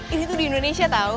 ini tuh di indonesia tahu